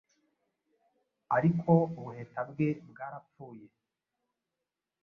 ariko ubuheta bwe, bwarapfuye